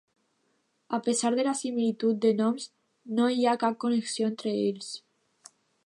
A pesar de la similitud de noms no hi ha cap connexió entre ells.